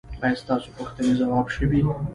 ایا ستاسو پوښتنې ځواب شوې؟